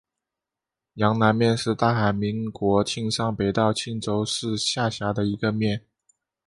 阳南面是大韩民国庆尚北道庆州市下辖的一个面。